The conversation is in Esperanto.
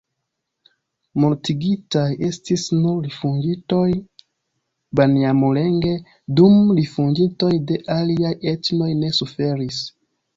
Mortigitaj estis nur rifuĝintoj-banjamulenge, dum rifuĝintoj de aliaj etnoj ne suferis.